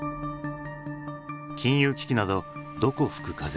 金融危機などどこ吹く風。